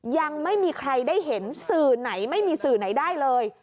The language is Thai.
ยังไม่มีใครได้เห็นสื่อไหนไม่มีสื่อไหนได้เลย